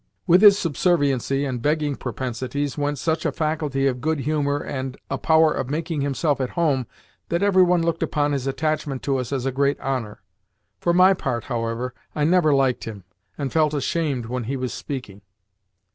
With his subserviency and begging propensities went such a faculty of good humour and a power of making himself at home that every one looked upon his attachment to us as a great honour. For my part, however, I never liked him, and felt ashamed when he was speaking.